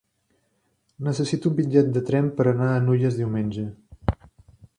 Necessito un bitllet de tren per anar a Nulles diumenge.